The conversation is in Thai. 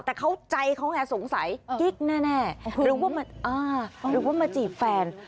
แต่เขาใจเขาไงสงสัยกิ๊กแน่หรือว่ามาจีบแฟน